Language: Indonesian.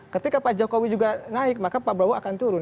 ketika pak jokowi juga naik maka pak prabowo akan turun